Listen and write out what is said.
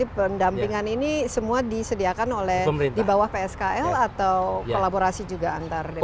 pendampingan ini semua disediakan oleh di bawah pskl atau kolaborasi juga antar desa